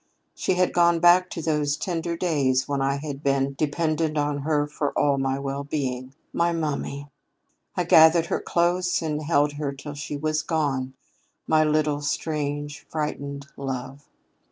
She had gone back to those tender days when I had been dependent on her for all my well being. My mummy! I gathered her close and held her till she was gone, my little, strange, frightened love.